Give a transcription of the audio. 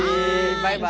バイバイ！